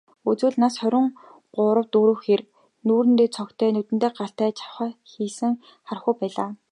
Үзвэл, нас хорин гурав дөрөв хэр, нүүрэндээ цогтой, нүдэндээ галтай, шавхийсэн хархүү байлаа.